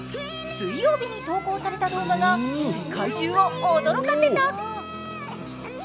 水曜日に投稿された動画が世界中を驚かせた。